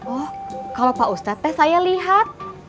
oh kalau pak ustadz teh saya lihat